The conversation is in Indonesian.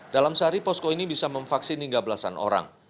dalam sehari posko ini bisa memvaksin hingga belasan orang